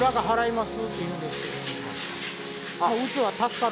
はい。